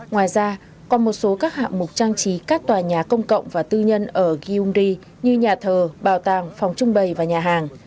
ngoài ra còn một số các hạng mục trang trí các tòa nhà công cộng và tư nhân ở gyungri như nhà thờ bảo tàng phòng trung bày và nhà hàng